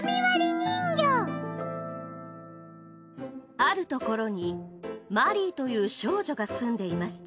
あるところにマリーという少女が住んでいました。